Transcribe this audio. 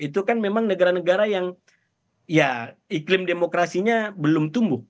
itu kan memang negara negara yang ya iklim demokrasinya belum tumbuh